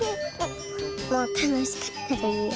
もうたのしかった。